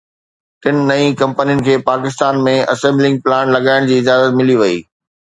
ٽن نئين ڪمپنين کي پاڪستان ۾ اسمبلنگ پلانٽ لڳائڻ جي اجازت ملي وئي